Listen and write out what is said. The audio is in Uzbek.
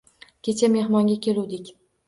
– Kecha mehmonga keluvdi